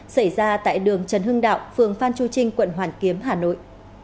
xảy ra tại đường trần hưng đạo phường phan chu trinh quận hoàn kiếm hà nội